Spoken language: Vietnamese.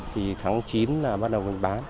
tháng chín là bắt đầu mình bán